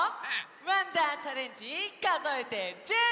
「わんだーチャレンジかぞえて１０」！